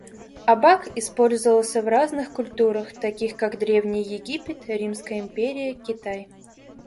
Абак использовался в разных культурах, таких как древний Египет, Римская империя, Китай.